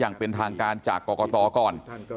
อย่างเป็นทางการจากกรกตก่อน